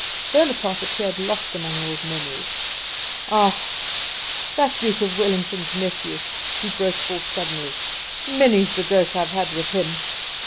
Bonaparte appeared lost among old memories. "Ah, that Duke of Wellington's nephew!" he broke forth suddenly; "many's the joke I've had with him.